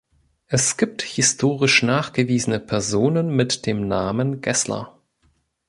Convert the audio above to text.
Es gibt historisch nachgewiesene Personen mit dem Namen "Gessler".